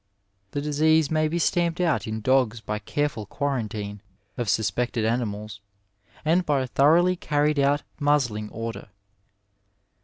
The disease may be stamped out in dogs by careful quarantine of suspected animals and by a thoroughly carried out muzzling order.